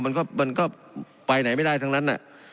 มันก็ไปไหนไม่ได้ทั้งนั้น